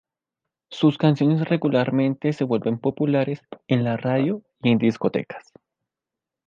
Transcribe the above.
Sus canciones regularmente se vuelven populares en la radio y en discotecas.